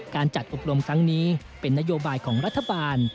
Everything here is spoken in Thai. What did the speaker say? การจัดอบรมครั้งนี้เป็นนโยบายของรัฐบาล